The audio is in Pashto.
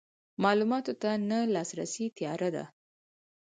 معلوماتو ته نه لاسرسی تیاره ده.